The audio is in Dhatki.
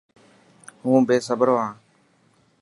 هون بيصبرو هان.